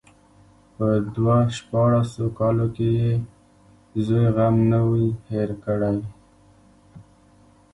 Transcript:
په دو شپاړسو کالو کې يې د زوى غم نه وي هېر کړى.